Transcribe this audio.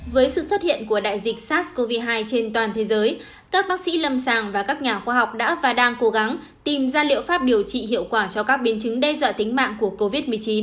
với sự xuất hiện của đại dịch sars cov hai trên toàn thế giới các bác sĩ lâm sàng và các nhà khoa học đã và đang cố gắng tìm ra liệu pháp điều trị hiệu quả cho các biến chứng đe dọa tính mạng của covid một mươi chín